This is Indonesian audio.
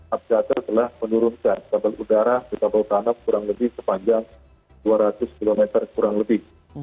apjata telah menurunkan kabel udara ke kabel tanam kurang lebih sepanjang dua ratus km kurang lebih